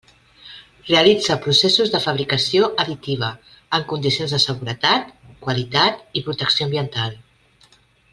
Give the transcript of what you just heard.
Realitza processos de fabricació additiva en condicions de seguretat, qualitat i protecció ambiental.